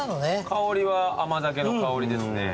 香りは甘酒の香りですね。